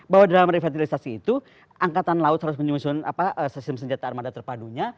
bahwa dalam revitalisasi itu angkatan laut harus menyusun sistem senjata armada terpadunya